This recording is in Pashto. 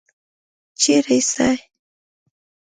چیرې څې؟